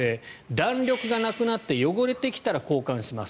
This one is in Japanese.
弾力がなくなって汚れてきたら交換します。